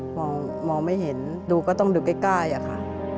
มองไม่เห็นดูก็ต้องดูใกล้อะค่ะ